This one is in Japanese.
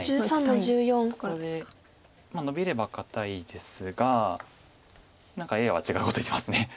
これでノビれば堅いですが何かＡＩは違うこと言ってます。